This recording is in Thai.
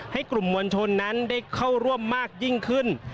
ให้กลุ่มมวลชนนั้นได้เข้าร่วมมากยิ่งขึ้น